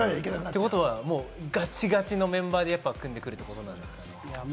ということは、ガチガチのメンバーで組んでくるということなんですか？